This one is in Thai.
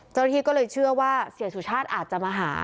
เจ้าหน้าที่ก็เลยเชื่อว่าเสียสุชาติอาจจะมาหา